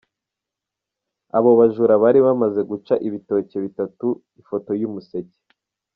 Abo bajura bari bamaze guca ibitoke bitatu: Ifoto y’ Umuseke.